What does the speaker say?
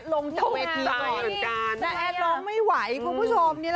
อุ้ยหิวปีกเลยเหรอชะมัดนี้